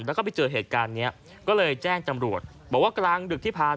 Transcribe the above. แล้วก็ไปเจอเหตุการณ์เนี้ยก็เลยแจ้งจำรวจบอกว่ากลางดึกที่ผ่านมา